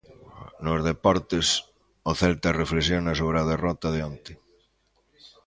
Nos deportes, o Celta reflexiona sobre a derrota de onte.